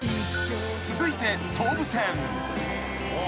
［続いて東武線］